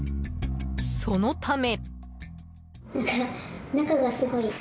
そのため。